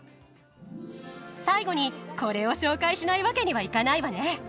最後にこれを紹介しないわけにはいかないわね。